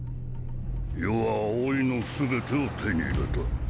余は葵の全てを手に入れた。